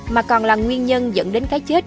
mà còn là nguyên nhân dẫn đến cái chết